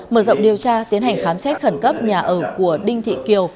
mở rộng điều tra tiến hành khám xét khẩn cấp nhà ở của đinh thị kiều